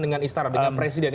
dengan istana dengan presiden